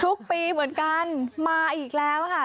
ทุกปีเหมือนกันมาอีกแล้วค่ะ